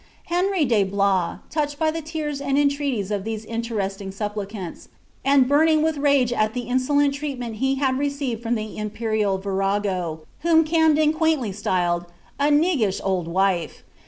Ilewf de Blois, touchedijy ihe tears and entreaties i>r these inlorestiiig cupplh cants, and burning wiih rage at the insolent treatment he had recriftd from the imperial virago, whom Camden quaintly styles '*a niggitkM wife."